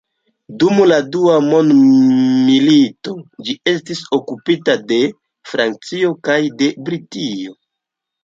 Dum la dua mondmilito ĝi estis okupita de Francio kaj de Britio.